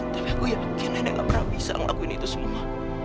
tapi aku yakin nenek gak pernah bisa ngelakuin itu semua